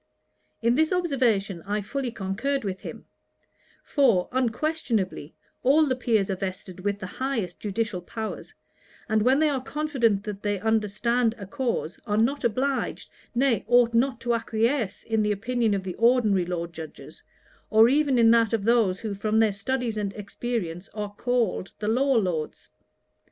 In this observation I fully concurred with him; for, unquestionably, all the Peers are vested with the highest judicial powers; and when they are confident that they understand a cause, are not obliged, nay ought not to acquiesce in the opinion of the ordinary Law Judges, or even in that of those who from their studies and experience are called the Law Lords.